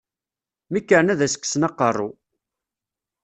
Mi kren ad as-kksen aqerru!